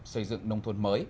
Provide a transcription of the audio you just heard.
xây dựng nông thuận mới